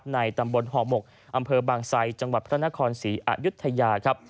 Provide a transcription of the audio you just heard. ในตำบลห่อหมกอำเภอบางไซจังหวัดพระนครศรีอายุทยาครับ